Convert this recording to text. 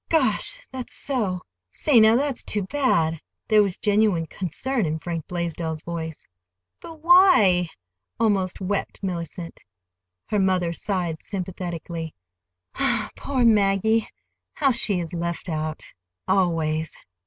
"Gosh! that's so. Say, now, that's too bad!" There was genuine concern in Frank Blaisdell's voice. "But why?" almost wept Mellicent. Her mother sighed sympathetically. "Poor Maggie! How she is left out—always!"